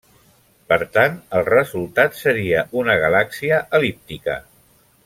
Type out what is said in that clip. Per tant, el resultat seria una galàxia el·líptica.